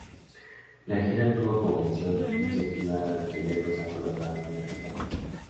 La gira tuvo como misión incentivar a los chilenos a colaborar con la campaña.